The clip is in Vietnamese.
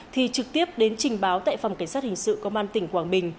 thì trực tiếp đến trình báo tại phòng cảnh sát hình sự công an tỉnh quảng bình